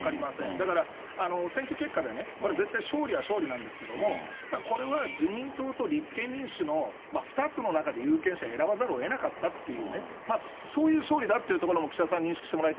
だから、選挙結果でね、これ絶対勝利は勝利なんですけれども、これは、自民党と立憲民主の２つの中で有権者選ばざるをえなかったっていうね、そういう勝利だっていうところも岸田さんに認識してもらい